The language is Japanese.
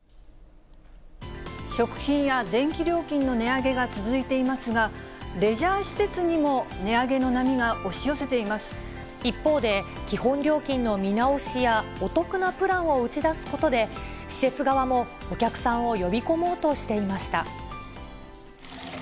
食品や電気料金などの値上げが続いていますが、レジャー施設にも値上げの波が押し寄せていま一方で、基本料金の見直しやお得なプランを打ち出すことで、施設側もお客さんを呼び込もうとしていました。